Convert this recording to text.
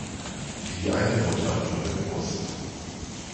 Wie eine Mutter ohne Brust.